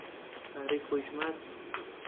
پارەی خۆی ژمارد.